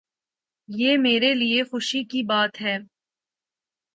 یہ میرے لیے خوشی کی بات ہے۔